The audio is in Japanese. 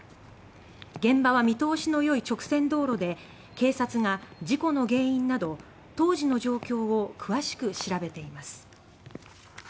現場は見通しの良い直線道路で警察が事故の原因など当時の状況を詳しく調べています。